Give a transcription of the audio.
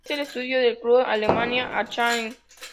Es el estadio del club Alemannia Aachen.